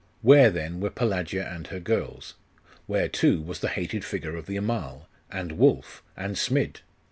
Where, then, were Pelagia and her girls? Where, too, was the hated figure of the Amal? and Wulf, and Smid?